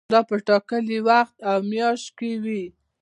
دا په ټاکلي وخت او میاشت کې وي.